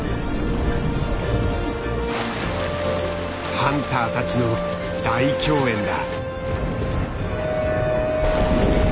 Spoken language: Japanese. ハンターたちの大供宴だ。